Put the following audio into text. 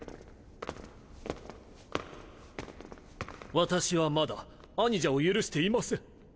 私はまだ兄者を許していません。